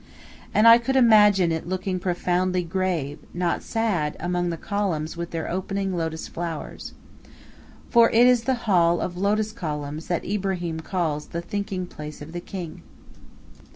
And I could imagine it looking profoundly grave, not sad, among the columns with their opening lotus flowers. For it is the hall of lotus columns that Ibrahim calls the thinking place of the king.